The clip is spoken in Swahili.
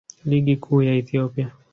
Ligi Kuu ya Ethiopia.